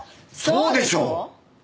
そうでしょ！